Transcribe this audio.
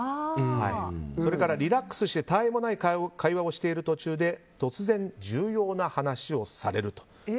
それからリラックスして他愛もない会話をしている途中で突然、重要な話をされる。